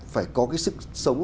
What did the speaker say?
phải có cái sức sống